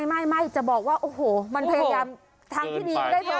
ไม่จะบอกว่าโอ้โหมันพยายามทางที่ดีได้ไหม